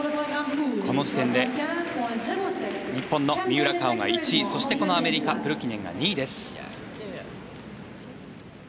この時点で日本の三浦佳生が１位そして、アメリカプルキネンが２位です。